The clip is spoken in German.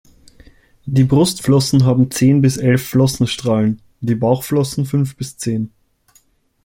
Die Brustflossen haben zehn bis elf Flossenstrahlen, die Bauchflossen fünf bis zehn.